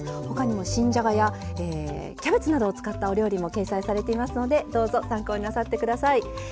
他にも新じゃがやキャベツなどを使ったお料理も掲載されていますのでどうぞ参考になさって下さい。